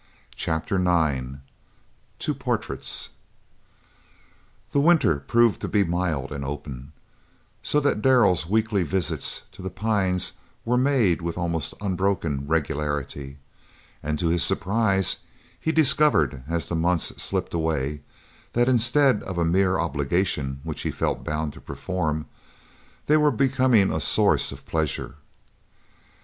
Chapter IX TWO PORTRAITS The winter proved to be mild and open, so that Darrell's weekly visits to The Pines were made with almost unbroken regularity, and to his surprise he discovered as the months slipped away that, instead of a mere obligation which he felt bound to perform, they were becoming a source of pleasure.